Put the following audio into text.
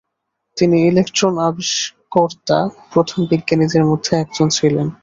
তিনি ইলেক্ট্রন আবিষ্কর্তা প্রথম বিজ্ঞানীদের মধ্যে একজন ছিলেন।